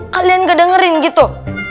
kalian gak dengerin gitu